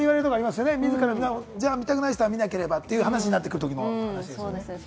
自ら見たくない人は見なければという話になってくるということですよね。